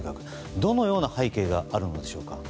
どのような背景があるのでしょうか。